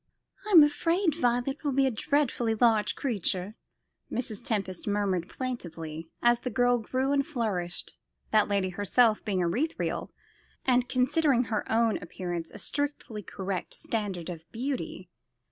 "I'm afraid Violet will be a dreadfully large creature," Mrs. Tempest murmured plaintively, as the girl grew and flourished; that lady herself being ethereal, and considering her own appearance a strictly correct standard of beauty.